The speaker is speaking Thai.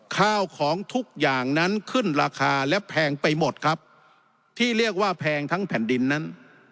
ข้าวของทุกอย่างนั้นขึ้นราคาและแพงไปหมดครับที่เรียกว่าแพงทั้งแผ่นดินนั้น